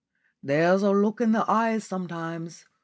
"There's a look in the eyes sometimes.